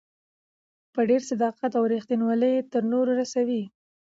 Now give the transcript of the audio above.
په ډېر صداقت او ريښتينوالۍ يې تر نورو رسوي.